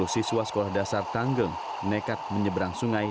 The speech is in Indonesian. sepuluh siswa sekolah dasar tanggeng nekat menyeberang sungai